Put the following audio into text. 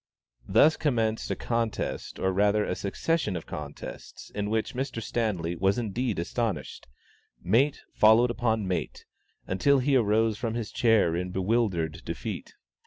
Thus commenced a contest, or rather a succession of contests, in which Mr. Stanley was indeed astonished. "Mate" followed upon "mate," until he arose from his chair in bewildered defeat.